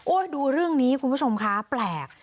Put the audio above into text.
ดูเรื่องนี้คุณผู้ชมคะแปลก